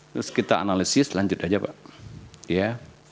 terus kita analisis lanjut aja pak